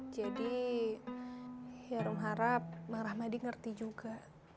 jadi ya rum harap bang ramadi ngerti juga